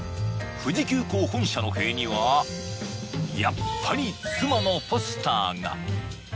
富士急行本社の塀には、やっぱり妻のポスターが。